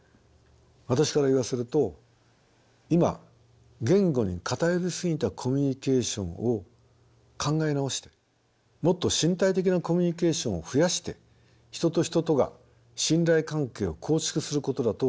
私から言わせると今言語に偏り過ぎたコミュニケーションを考え直してもっと身体的なコミュニケーションを増やして人と人とが信頼関係を構築することだと思います。